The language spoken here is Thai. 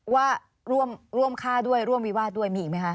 ว่าร่วมฆ่าด้วยร่วมวิวาสด้วยมีอีกไหมคะ